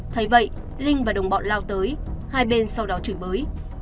thay vậy linh và đồng bọn lao tới hai bên sau đó trừ bới